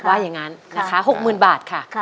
ว่าอย่างนั้นนะคะ๖๐๐๐บาทค่ะ